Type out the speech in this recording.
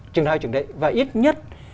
chừng nào chừng đấy và ít nhất